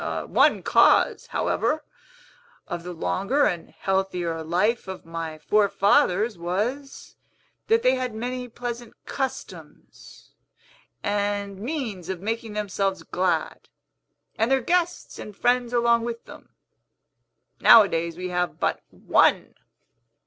One cause, however, of the longer and healthier life of my forefathers was, that they had many pleasant customs, and means of making themselves glad, and their guests and friends along with them. Nowadays we have but one!"